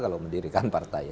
kalau mendirikan partai